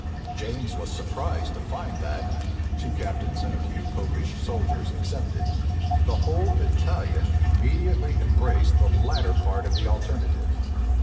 James was surprised to find that, two captains and a few Popish soldiers excepted, the whole battalion immediately embraced the latter part of the alternative.